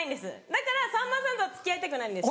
だからさんまさんとは付き合いたくないんです。